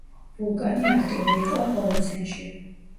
ვულკანი აქტიური იყო ჰოლოცენში.